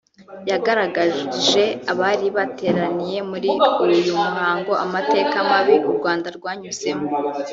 yagaragarije abari bateraniye muri uyu muhango amateka mabi u Rwanda rwanyuzemo